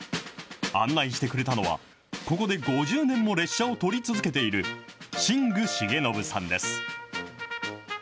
案内してくれたのは、ここで５０年も列車を撮り続けている、新具重信さんです。